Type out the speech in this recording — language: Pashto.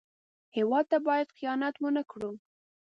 هېواد ته باید خیانت ونه کړو